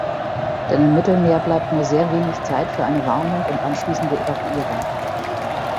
Denn im Mittelmeer bleibt nur sehr wenig Zeit für eine Warnung und anschließende Evakuierung.